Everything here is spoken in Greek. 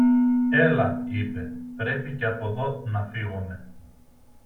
Έλα, είπε, πρέπει και από δω να φύγομε.